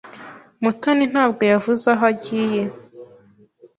Mutoni ntabwo yavuze aho yagiye.